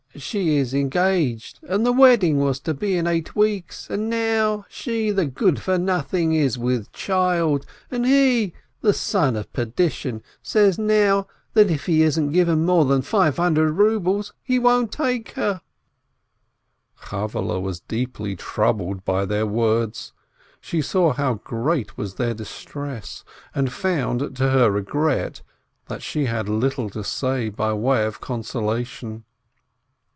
She is engaged, and the wedding was to have been in eight weeks — and now she, the good for nothing, is with child — and he, the son of perdition, says now that if he isn't given more than five hundred rubles, he won't take her " Chavvehle was deeply troubled by their words. She saw how great was their distress, and found, to her regret, that she had little to say by way of consolation.